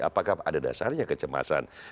apakah ada dasarnya kecemasan